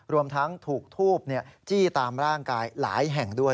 รวมทั้งถูกทูบจี้ตามร่างกายหลายแห่งด้วย